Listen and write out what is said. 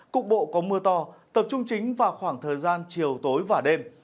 cục bộ có mưa to tập trung chính vào khoảng thời gian chiều tối và đêm